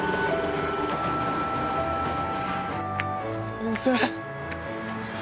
先生。